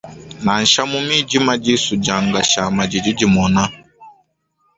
Nansha mu midima disu dia nkashama didi dimona.